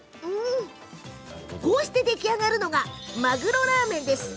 こうして出来上がるのがマグロラーメンです。